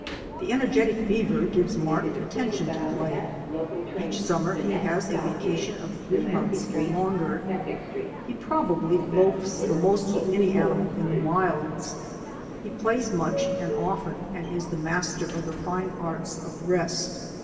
The energetic beaver gives marked attention to play. Each summer he has a vacation of three months or longer. He probably loafs the most of any animal in the wilds. He plays much and often and is master of the fine art of rest.